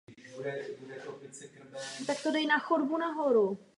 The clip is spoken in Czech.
Rozhodne se proto věnovat se spáse své duše.